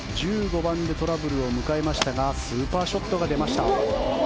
１５番でトラブルを迎えましたがスーパーショットが出ました。